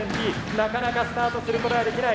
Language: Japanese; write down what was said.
なかなかスタートすることができない。